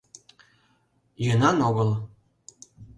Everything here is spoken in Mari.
— Йӧнан огыл.